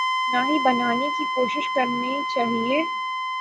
نہ ہی بنانے کی کوشش کرنی چاہیے۔